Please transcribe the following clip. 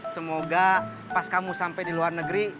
semoga pas kamu sampai di luar negeri